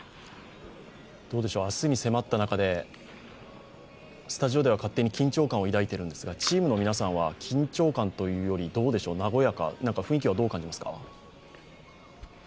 明日に迫った中で、スタジオでは勝手に緊張感を抱いているんですが、チームの皆さんは緊張感というより、和やか、雰囲気はどう感じますか？